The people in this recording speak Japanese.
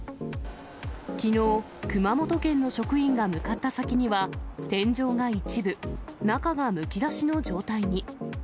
きのう、熊本県の職員が向かった先には、天井が一部、中がむき出しの状態に。